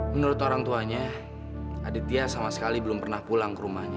menurut orang tuanya aditya sama sekali belum pernah pulang ke rumahnya